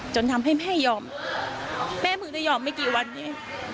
จนทำให้แม่ยอมแม่มึงจะยอมไม่กี่วันเนี่ย